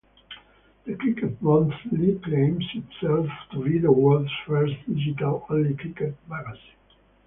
"The Cricket Monthly" claims itself to be the world's first digital-only cricket magazine.